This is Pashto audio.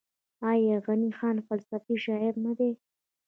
آیا غني خان فلسفي شاعر نه دی؟